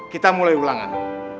kita mulai ulangan